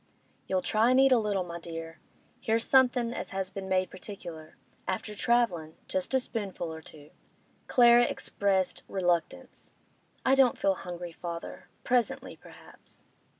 'You'll try an' eat a little, my dear? Here's somethin' as has been made particular. After travellin'—just a spoonful or two.' Clara expressed reluctance. 'I don't feel hungry, father. Presently, perhaps.